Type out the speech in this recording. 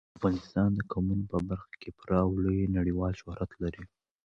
افغانستان د قومونه په برخه کې پوره او لوی نړیوال شهرت لري.